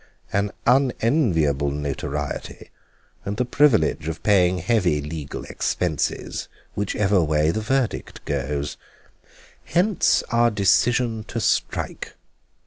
An unenviable notoriety and the privilege of paying heavy legal expenses whichever way the verdict goes. Hence our decision to strike.